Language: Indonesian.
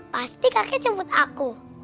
pasti kakek cemput aku